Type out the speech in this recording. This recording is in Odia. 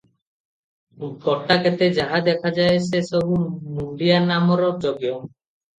ଗୋଟାକେତେ ଯାହା ଦେଖାଯାଏ ସେ ସବୁ ମୁଣ୍ତିଆ ନାମର ଯୋଗ୍ୟ ।